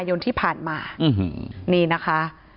ประสงสามรูปนะคะนำสายสีขาวผูกข้อมือให้กับพ่อแม่ของน้องชมพู่